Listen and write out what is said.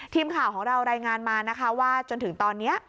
ทีมข่าวของเรารายงานมานะคะว่าจนถึงตอนนี้